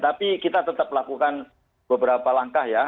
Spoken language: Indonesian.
tapi kita tetap melakukan beberapa langkah ya